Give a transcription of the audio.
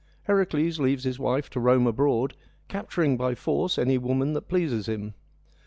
Heracles leaves his wife, to roam abroad, capturing by force any woman that pleases him.